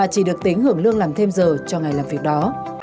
chỉ được tính hưởng lương làm thêm giờ cho ngày làm việc đó